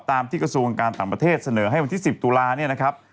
ตามที่กระทรวงการต่างประเทศเสนอให้วันที่๑๐ตุลาเนี่ยนะครับ